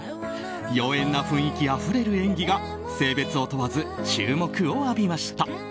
妖艶な雰囲気あふれる演技が性別を問わず注目を浴びました。